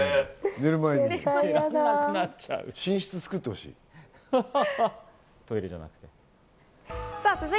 寝室、作ってほしい。